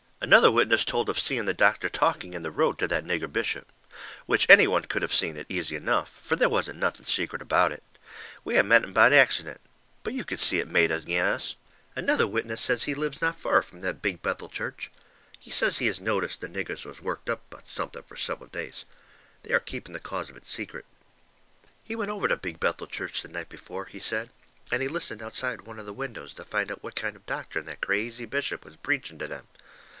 Another witness told of seeing the doctor talking in the road to that there nigger bishop. Which any one could of seen it easy enough, fur they wasn't nothing secret about it. We had met him by accident. But you could see it made agin us. Another witness says he lives not fur from that Big Bethel church. He says he has noticed the niggers was worked up about something fur several days. They are keeping the cause of it secret. He went over to Big Bethel church the night before, he said, and he listened outside one of the windows to find out what kind of doctrine that crazy bishop was preaching to them.